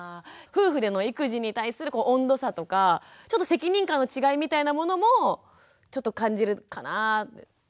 夫婦での育児に対する温度差とかちょっと責任感の違いみたいなものもちょっと感じるかなぁ。